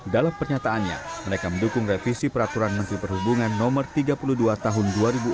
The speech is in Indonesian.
dalam pernyataannya mereka mendukung revisi peraturan menteri perhubungan no tiga puluh dua tahun dua ribu enam belas